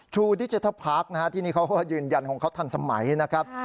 รูดิเจทัลพาร์คนะฮะที่นี่เขาก็ยืนยันของเขาทันสมัยนะครับ